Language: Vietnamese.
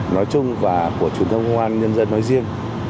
nói chung và của truyền thông công an nhân dân nói riêng